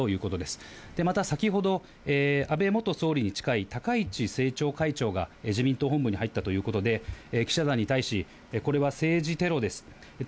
たま先ほど安倍元総理に近い高市政調会長が自民党本部に入ったということで、記者団に対し、これは政治テロです。